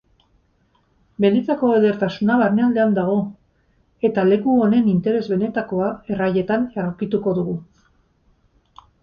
Benetako edertasuna barnealdean dago, eta leku honen interes benetakoa erraietan aurkituko dugu.